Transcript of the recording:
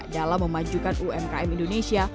dalam memajukan umkm indonesia